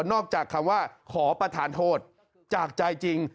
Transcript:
นอกจากคำว่าขอประทานโทษจากใจจริง